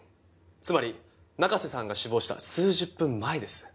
つまり中瀬さんが死亡した数十分前です。